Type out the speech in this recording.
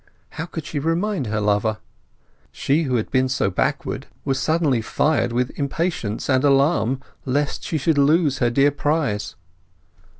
How could she remind her lover? She who had been so backward was suddenly fired with impatience and alarm lest she should lose her dear prize.